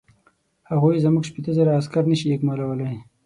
هغوی زموږ شپېته زره عسکر نه شي اکمالولای.